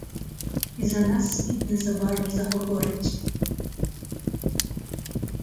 І за нас світ незабаром заговорить!